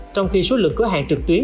trong khi số lượng cửa hàng trực tuyến